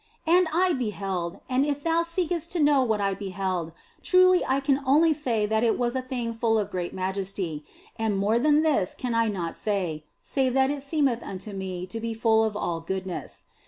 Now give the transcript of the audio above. And I beheld ; and if thou seekest to know what I beheld, truly I can only say that it was a thing full of great majesty ; and more than this can I not say, save that it seemed unto me to be full of all goodness.